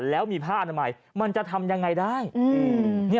แล้วมีผ้าอนามัยมันจะทำยังไงได้